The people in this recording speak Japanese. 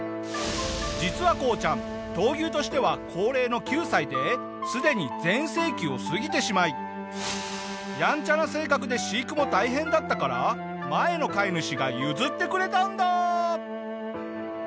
実はこうちゃん闘牛としては高齢の９歳ですでに全盛期を過ぎてしまいやんちゃな性格で飼育も大変だったから前の飼い主が譲ってくれたんだ！